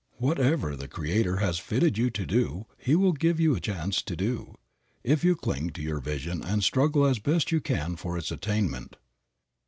Whatever the Creator has fitted you to do He will give you a chance to do, if you cling to your vision and struggle as best you can for its attainment.